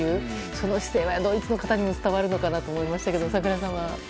その姿勢はドイツの方にも伝わるのかなと思いましたけど櫻井さんは。